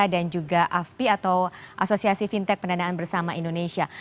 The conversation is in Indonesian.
dan juga afpi atau asosiasi fintech pendanaan bersama indonesia